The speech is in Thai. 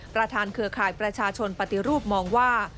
เครือข่ายประชาชนปฏิรูปมองว่า